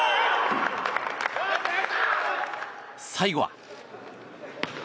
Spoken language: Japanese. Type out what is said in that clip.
最後は。